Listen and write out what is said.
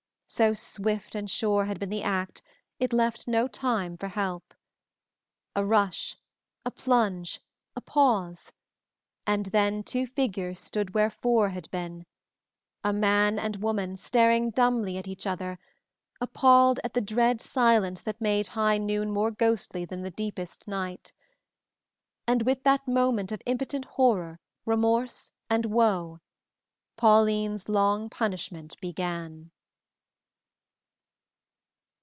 So swift and sure had been the act it left no time for help. A rush, a plunge, a pause, and then two figures stood where four had been a man and woman staring dumbly at each other, appalled at the dread silence that made high noon more ghostly than the deepest night. And with that moment of impotent horror, remorse, and woe, Pauline's long punishment began.